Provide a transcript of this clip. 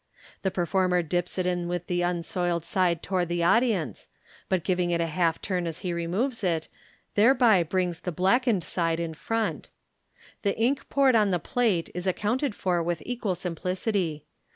The performer dips it in with the unsoiled side toward the audience j but MODERN MAGIC. 373 giving it a half turn as he removes it, thereby brings the blackened side in front. The ink poured on the plate is accounted for with equal simplicity.